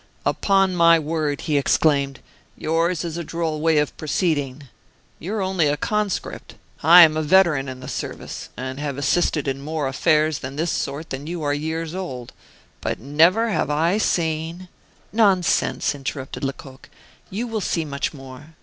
"Upon my word!" he exclaimed, "yours is a droll way of proceeding. You are only a conscript; I am a veteran in the service, and have assisted in more affairs of this sort than you are years old, but never have I seen " "Nonsense!" interrupted Lecoq, "you will see much more.